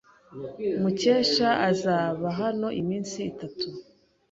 Mukesha azaba hano iminsi itatu.